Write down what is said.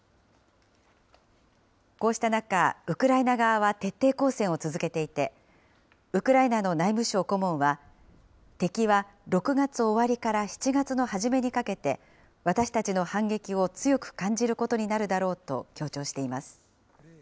こうした中、ウクライナ側は徹底抗戦を続けていて、ウクライナの内務相顧問は、敵は６月終わりから７月の初めにかけて、私たちの反撃を強く感じることになるだろうと強調しています。